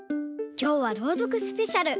きょうは「ろうどくスペシャル」！